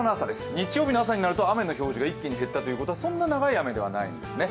日曜日の朝になると雨の表示が一気に減ったとなるとそんな長い雨ではないんですね。